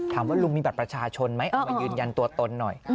ลุงมีบัตรประชาชนไหมเอามายืนยันตัวตนหน่อย